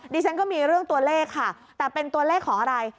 ดิฉันก็มีเรื่องตัวเลขค่ะแต่เป็นตัวเลขของอะไร